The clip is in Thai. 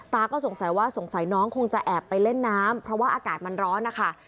สงสัยว่าสงสัยน้องคงจะแอบไปเล่นน้ำเพราะว่าอากาศมันร้อนนะคะ